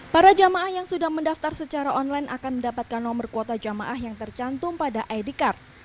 para jamaah yang sudah mendaftar secara online akan mendapatkan nomor kuota jamaah yang tercantum pada id card